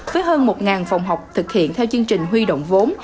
với hơn một phòng học thực hiện theo chương trình huy động vốn